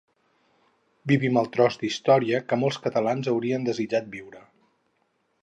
Vivim el tros d’història que molts catalans haurien desitjat viure.